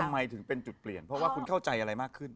ทำไมถึงเป็นจุดเปลี่ยนเพราะว่าคุณเข้าใจอะไรมากขึ้น